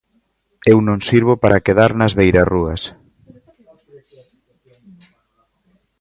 Eu non sirvo para quedar nas beirarrúas.